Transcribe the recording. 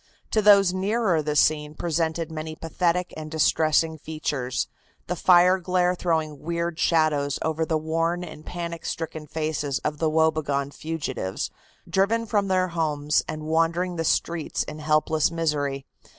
To those nearer the scene presented many pathetic and distressing features, the fire glare throwing weird shadows over the worn and panic stricken faces of the woe begone fugitives, driven from their homes and wandering the streets in helpless misery.